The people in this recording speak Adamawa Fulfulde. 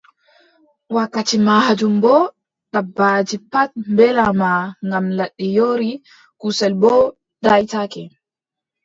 Wakkati maajum boo, dabbaaji pat mbeelaama ngam ladde yoori, kusel boo daaytake.